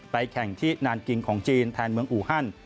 แข่งที่นานกิงของจีนแทนเมืองอูฮัน